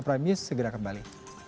prime news segera kembali